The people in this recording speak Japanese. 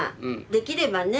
できればね